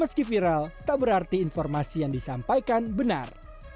meski viral tak berarti informasi yang disampaikan benar